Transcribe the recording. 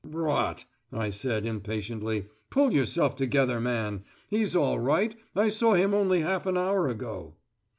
"Rot!" I said, impatiently. "Pull yourself together, man. He's all right. I saw him only half an hour ago."